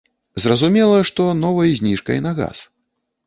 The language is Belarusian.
Зразумела, што новай зніжкай на газ.